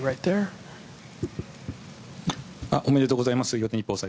おめでとうございます。